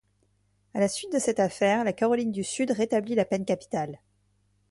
À la suite de cette affaire, la Caroline du Sud rétablit la peine capitale.